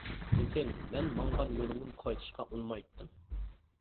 لېكىن مەن ماڭغان يولۇمدىن قايتىشقا ئۇنىمايتتىم.